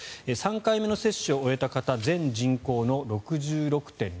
３回目の接種を終えた方全人口の６６．６１％。